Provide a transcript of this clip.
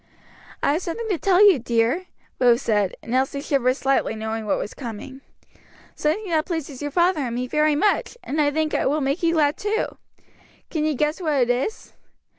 "I have something to tell you, dear," Rose said, and Elsie shivered slightly, knowing what was coming; "something that pleases your father and me very much, and I think will make you glad too. Can you guess what it is?"